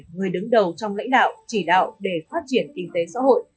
người đứng đầu trong lãnh đạo chỉ đạo để phát triển kinh tế xã hội